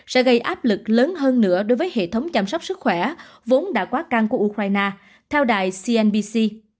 sẽ gây áp lực lớn hơn nữa đối với hệ thống chăm sóc sức khỏe vốn đã quá căng của ukraine theo đài cnbc